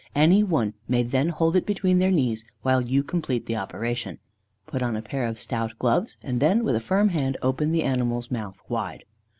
Any one may then hold it between their knees, while you complete the operation. Put on a pair of stout gloves, and then with a firm hand open the animal's mouth wide!"